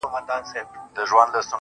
• د کلي دې ظالم ملا سيتار مات کړی دی.